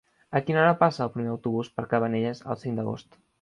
A quina hora passa el primer autobús per Cabanelles el cinc d'agost?